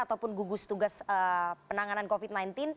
ataupun gugus tugas penanganan covid sembilan belas